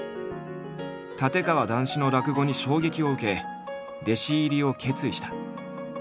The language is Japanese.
立川談志の落語に衝撃を受け弟子入りを決意した。